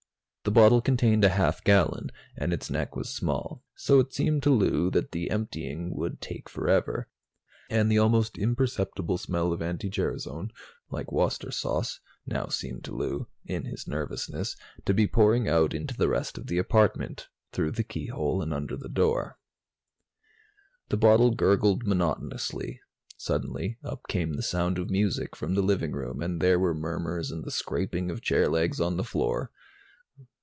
The bottle contained a half gallon, and its neck was small, so it seemed to Lou that the emptying would take forever. And the almost imperceptible smell of anti gerasone, like Worcestershire sauce, now seemed to Lou, in his nervousness, to be pouring out into the rest of the apartment, through the keyhole and under the door. The bottle gurgled monotonously. Suddenly, up came the sound of music from the living room and there were murmurs and the scraping of chair legs on the floor.